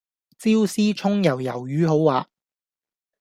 椒絲蔥油魷魚好滑